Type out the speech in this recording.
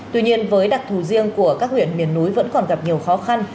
tuy nhiên với đặc thù riêng của các huyện miền núi vẫn còn gặp nhiều khó khăn